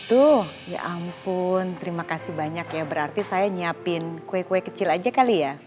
tuh ya ampun terima kasih banyak ya berarti saya nyiapin kue kue kecil aja kali ya